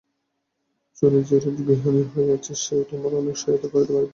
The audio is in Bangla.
চুনি যেরূপ গৃহিণী হইয়াছে সেও তোমার অনেক সহায়তা করিতে পারিবে।